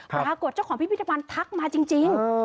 ปรากฏเจ้าของพิพิธภัณฑ์ทักมาจริง